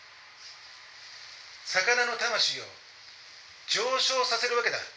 魚の魂を上昇させるわけだ。